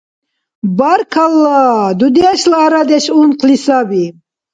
Баркалла, дудешла арадеш ункъли саби?